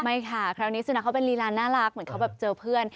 ไม่ค่ะคราวนี้สุนัขเขาเป็นลีลาน่ารักเหมือนเขาแบบเจอเพื่อน